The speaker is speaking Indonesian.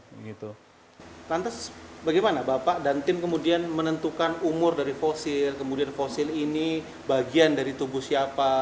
lantas bagaimana bapak dan tim kemudian menentukan umur dari fosil kemudian fosil ini bagian dari tubuh siapa